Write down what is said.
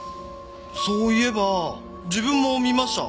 そういえば自分も見ました。